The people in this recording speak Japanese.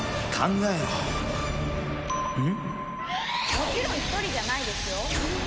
もちろん１人じゃないですよ。